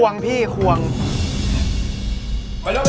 น้ำ